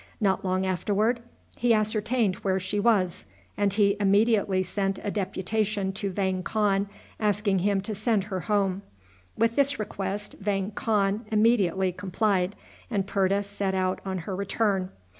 Not long afterward he ascertained where she was, and he immediately sent a deputation to Vang Khan asking him to send her home. With this request Vang Khan immediately complied, and Purta set out on her return.